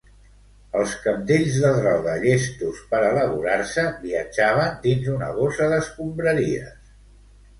Els cabdells de droga, llestos per elaborar-se, viatjaven dins una bossa d'escombraries.